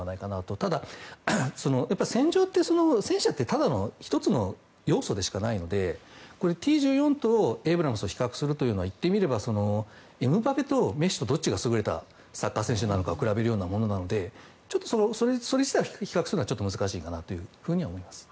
ただ、戦場って、戦車ってただの１つの要素でしかないのでＴ１４とエイブラムスを比較するというのは言ってみればエムバペとメッシがどちらが優れたサッカー選手か比べるようなものなのでちょっとそれ自体を比較するのは難しいかなと思います。